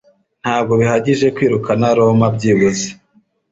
Ntabwo bihagije kwirukana Roma byibuze